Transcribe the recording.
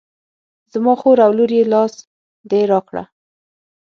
زما خور او لور یې لاس دې را کړه.